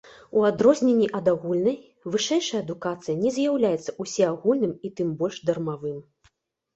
У адрозненні ад агульнай, вышэйшая адукацыя не з'яўляецца ўсеагульным і тым больш дармавым.